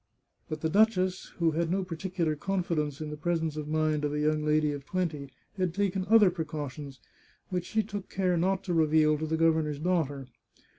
But the duchess, who had no particular confidence in the presence of mind of a young lady of twenty, had taken other precautions, which she took care not to reveal to the gov ernor's daughter.